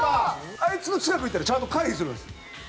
あいつの近くに行ったらちゃんと回避するんですよ。